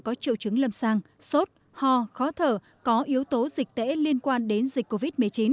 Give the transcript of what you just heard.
có triệu chứng lâm sàng sốt ho khó thở có yếu tố dịch tễ liên quan đến dịch covid một mươi chín